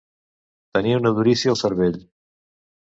Tenir una durícia al cervell.